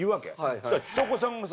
そしたらちさ子さんがさ